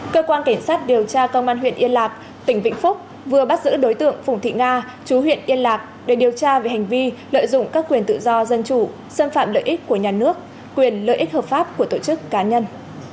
cơ quan cảnh sát điều tra công an huyện yên lạc tỉnh vĩnh phúc vừa bắt giữ đối tượng phùng thị nga chú huyện yên lạc để điều tra về hành vi lợi dụng các quyền tự do dân chủ xâm phạm lợi ích của nhà nước quyền lợi ích hợp pháp của tổ chức cá nhân